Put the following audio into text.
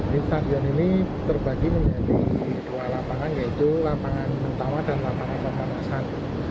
di stadion ini terbagi menjadi dua lapangan yaitu lapangan mentawa dan lapangan banasan